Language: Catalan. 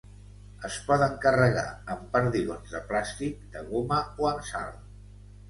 Es poden carregar amb perdigons de plàstic, de goma o amb sal.